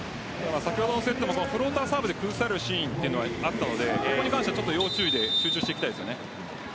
先ほどのセットもフローターサーブで崩されるシーンがあったのでそこに関しては要注意で集中していきたいですね。